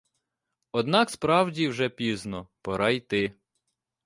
Однак справді вже пізно; пора йти.